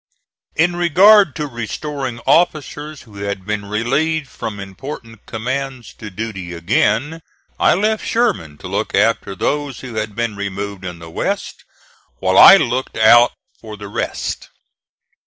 In regard to restoring officers who had been relieved from important commands to duty again, I left Sherman to look after those who had been removed in the West while I looked out for the rest.